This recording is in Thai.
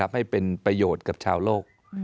ให้เป็นประโยชน์กับชาวโลก